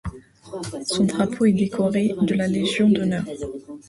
Son drapeau est décoré de la Légion d'honneur.